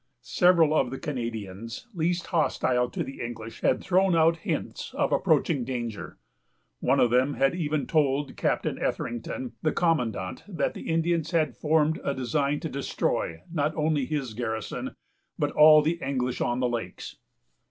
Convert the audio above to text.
Several of the Canadians least hostile to the English had thrown out hints of approaching danger, and one of them had even told Captain Etherington, the commandant, that the Indians had formed a design to destroy, not only his garrison, but all the English on the lakes.